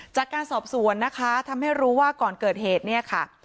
จากการสอบสวนนะคะทำให้รู้ว่าก่อนเกิดเหตุเนี่ยค่ะ